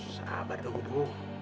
sabar gak hubung